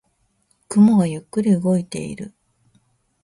雲がゆっくり動いている。